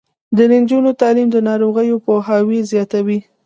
د نجونو تعلیم د ناروغیو پوهاوی زیاتوي.